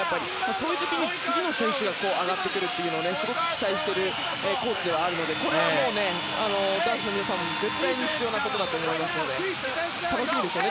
そういう時に次の選手が上がってくるということをすごく期待しているコーチなのでこれは男子の皆さんも絶対に必要なことだと思いますので楽しみですよね